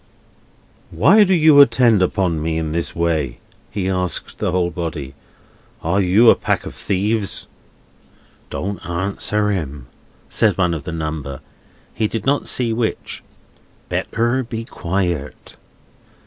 "Why do you attend upon me in this way?" he asked the whole body. "Are you a pack of thieves?" "Don't answer him," said one of the number; he did not see which. "Better be quiet."